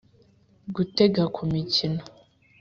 gutega ku mikino